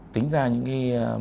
tính ra những cái